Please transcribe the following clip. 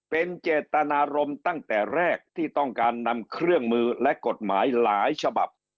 เป็นเจตนารมณ์ตั้งแต่แรกที่ต้องการนำเครื่องมือและกฎหมายหลายฉบับ